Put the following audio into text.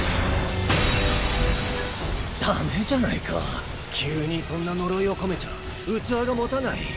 ダメじゃないか急にそんな呪いを込めちゃ器がもたない。